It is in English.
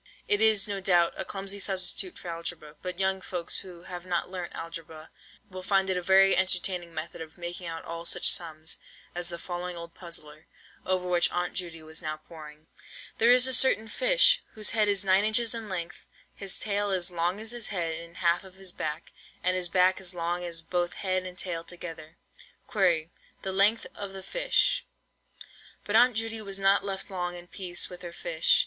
It is, no doubt, a clumsy substitute for algebra; but young folks who have not learnt algebra, will find it a very entertaining method of making out all such sums as the following old puzzler, over which Aunt Judy was now poring: "There is a certain fish, whose head is 9 inches in length, his tail as long as his head and half of his back, and his back as long as both head and tail together. Query, the length of the fish?" But Aunt Judy was not left long in peace with her fish.